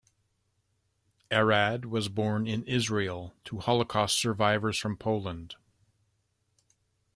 Arad was born in Israel, to Holocaust survivors from Poland.